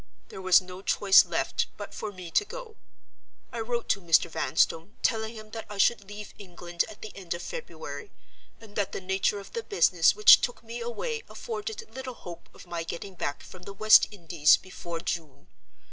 There was no choice left but for me to go. I wrote to Mr. Vanstone, telling him that I should leave England at the end of February, and that the nature of the business which took me away afforded little hope of my getting back from the West Indies before June.